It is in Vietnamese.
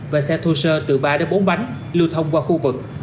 và xe thô sơ từ ba đến bốn bánh lưu thông qua khu vực